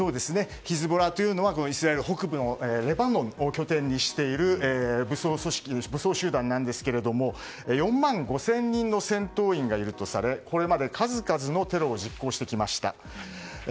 ヒズボラというのはイスラエル北部のレバノンを拠点にしている武装集団なんですけれども４万５０００人の戦闘員がいるとされこれまで数々のテロを実行してきました。